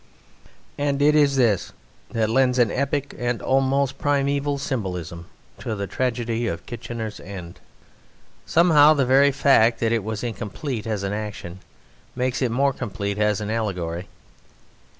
And it is this that lends an epic and almost primeval symbolism to the tragedy of Kitchener's end. Somehow the very fact that it was incomplete as an action makes it more complete as an allegory.